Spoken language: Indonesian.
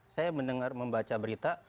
saya mendengar membaca berita